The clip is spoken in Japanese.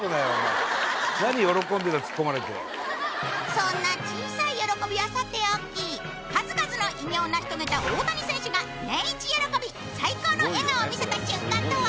そんな小さい喜びはさておき数々の偉業を成し遂げた大谷選手がネンイチ喜び最高の笑顔を見せた瞬間とは？